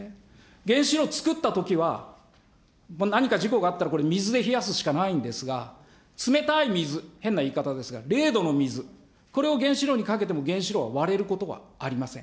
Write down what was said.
原子炉つくったときは、何か事故があったらこれ、水で冷やすしかないんですが、冷たい水、変な言い方ですが、０度の水、これを原子炉にかけても、原子炉は割れることはありません。